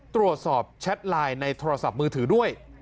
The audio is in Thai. ตรวจสอบแชทไลน์ในโทรศัพท์มือถือด้วย